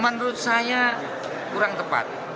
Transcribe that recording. menurut saya kurang tepat